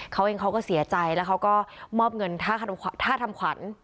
เขาเองเขาก็เสียใจแล้วเขาก็มอบเงินค่าทำขวัญ